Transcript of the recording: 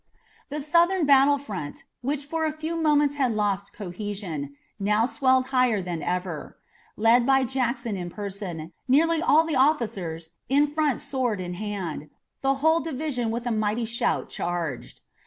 The Southern battle front, which for a few minutes had lost cohesion, now swelled higher than ever. Led by Jackson in person, nearly all the officers in front sword in hand, the whole division with a mighty shout charged.